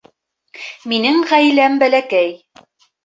Минең ғаиләм бәләкәй